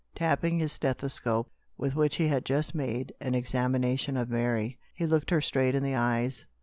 Tapping his stethoscope, with which he had just made an examination of Mary, he looked her straight in the eyes.